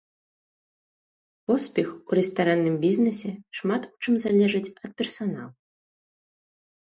Поспех у рэстаранным бізнесе шмат у чым залежыць ад персаналу.